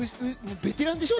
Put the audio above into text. ベテランでしよう。